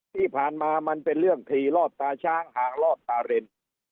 ที่ผ่านมามันเป็นเรื่องถี่ลอดตาช้างห่างลอดตาเรน